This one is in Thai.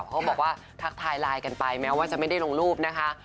เขาบอกว่าทักทายไลน์กันไปแม้ว่าจะไม่ได้ลงรูปนะคะ